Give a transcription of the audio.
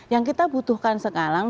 yang kita butuhkan sekarang